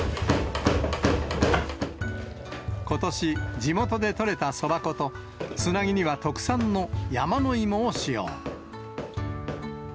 ことし、地元で取れたそば粉とつなぎには特産のヤマノイモを使用。